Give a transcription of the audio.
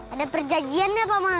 ada perjanjian ya pak mah